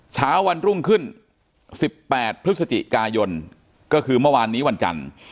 เช้าวันรุ่งขึ้น๑๘พฤศจิกายนก็คือเมื่อวานนี้วันจันทร์